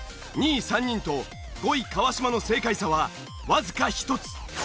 ２位３人と５位川島の正解差はわずか１つ。